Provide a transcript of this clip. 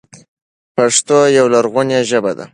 پښتو یوه لرغونې ژبه ده.